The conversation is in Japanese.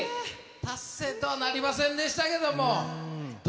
達成とはなりませんでしたけ